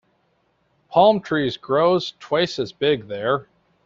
Palm trees grows twice as big there.